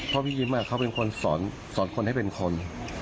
พ่อพี่ยิ้มมากเค้าเป็นชิมสอนคนให้เป็นคน